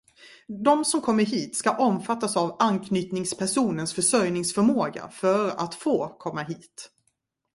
De som kommer hit ska omfattas av anknytningspersonens försörjningsförmåga för att få komma hit.